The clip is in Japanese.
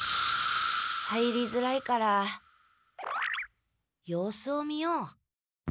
入りづらいから様子を見よう。